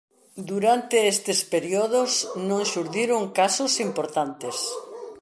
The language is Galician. Durante estes períodos non xurdiron casos importantes.